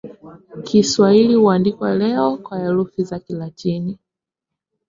Kiswahili huandikwa leo kwa herufi za Kilatini.